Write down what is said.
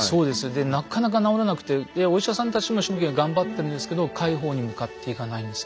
でなかなか治らなくてお医者さんたちも一生懸命頑張ってるんですけど快方に向かっていかないんですね。